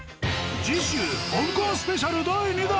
次週香港スペシャル第二弾！